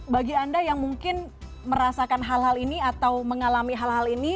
bagi anda yang mungkin merasakan hal hal ini atau mengalami hal hal ini